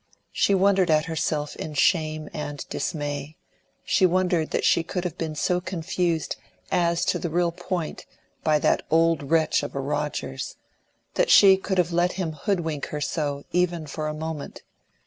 She wondered at herself in shame and dismay; she wondered that she could have been so confused as to the real point by that old wretch of a Rogers, that she could have let him hoodwink her so, even for a moment.